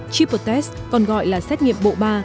triple test còn gọi là xét nghiệm bộ ba